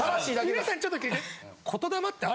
皆さんちょっと聞いて。